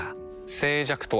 静寂とは？